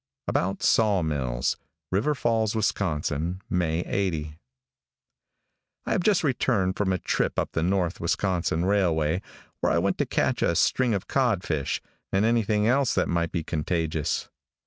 ABOUT SAW MILLS. River Falls, Wis., May 80. |I HAVE just returned from a trip up the North Wisconsin railway, where I went to catch a string of codfish, and anything else that might be contagious.